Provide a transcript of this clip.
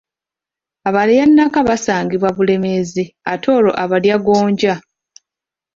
Abalyannaka basangibwa Bulemeezi, ate olwo Abalyagonja?